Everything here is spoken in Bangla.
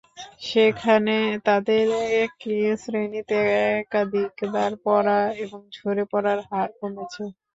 সেখানে তাদের একই শ্রেণিতে একাধিকবার পড়া এবং ঝরে পড়ার হার কমেছে।